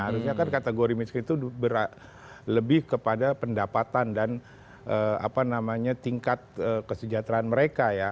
harusnya kan kategori miskin itu lebih kepada pendapatan dan tingkat kesejahteraan mereka ya